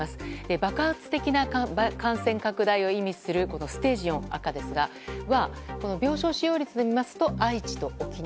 爆発的な感染拡大を意味するステージ４、赤ですがこちらは病床使用率で見ますと愛知と沖縄。